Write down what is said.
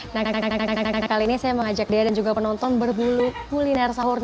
nah kali ini saya mengajak dea dan juga penonton berbulu kuliner sahur